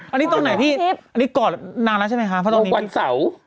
อันนี้ตรงไหนพี่อันนี้กอดนานแล้วใช่ไหมคะเพราะตรงวันเสาร์